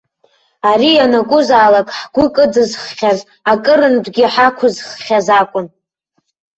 Ари ианакәызаалак ҳгәы кыдызххьаз, акырынтәгьы ҳақәызххьаз акәын.